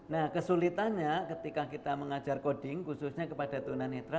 nah kesulitannya ketika kita mengajar coding khususnya kepada tunanetra